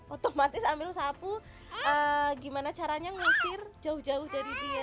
otomatis ambil sapu gimana caranya ngusir jauh jauh dari dia